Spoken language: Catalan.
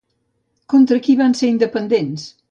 Contra qui van ser independents?